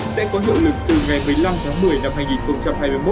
sẽ có hiệu lực từ ngày một mươi năm tháng một mươi năm hai nghìn hai mươi một